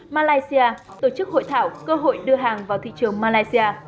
malaysia tổ chức hội thảo cơ hội đưa hàng vào thị trường malaysia